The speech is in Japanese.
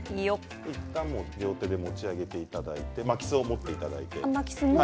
両手で持ち上げていただいて巻きすを持っていただいて。